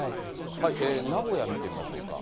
名古屋見てみましょうか。